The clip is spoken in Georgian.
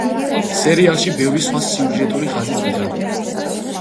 სერიალში ბევრი სხვა სიუჟეტური ხაზიც ვითარდება.